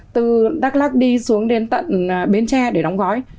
từ đắk lắc đi xuống đến tận bến tre để đóng gói